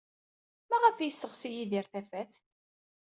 Maɣef ay yesseɣsi Yidir tafat?